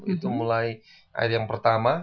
itu mulai akhir yang pertama